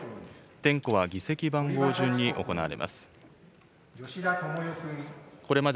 点呼は議席番号順に行われます。